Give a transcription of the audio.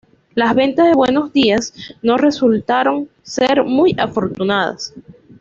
Las ventas de "Buenos Días" no resultaron ser muy afortunadas.